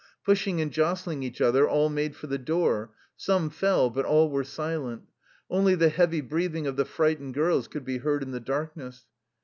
Pushing and jostling each other; all made for the door. Some fell. But all were silent. Only the heavy breathing of the fright ened girls could be heard in the darkness.